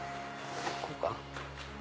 こうかな？